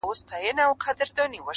هغوی چي دومره مترقي دي